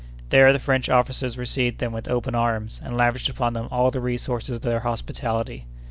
There the French officers received them with open arms, and lavished upon them all the resources of their hospitality.